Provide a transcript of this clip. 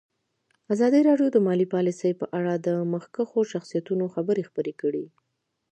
ازادي راډیو د مالي پالیسي په اړه د مخکښو شخصیتونو خبرې خپرې کړي.